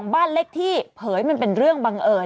บ้านเล็กที่เผยมันเป็นเรื่องบังเอิญ